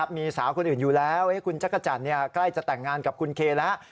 มีสาวคนอื่นอยู่แล้วคุณจักรจันทร์ใกล้จะแต่งงานกับคุณเคแล้ว